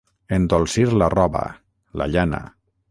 Endolcir la roba, la llana.